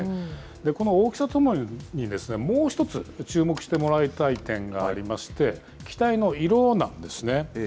この大きさとともに、もう一つ、注目してもらいたい点がありまして、機体の色なんですね。